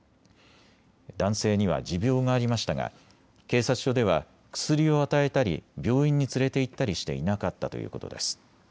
男性には持病がありましたが警察署では薬を与えたり病院に連れて行ったりしていなかったということです。